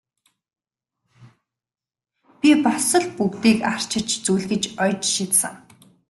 Би бас л бүгдийг арчиж зүлгэж оёж шидсэн!